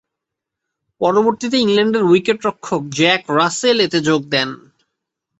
পরবর্তীতে ইংল্যান্ডের উইকেট-রক্ষক জ্যাক রাসেল এতে যোগ দেন।